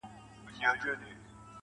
o او له سترگو يې څو سپيني مرغلري.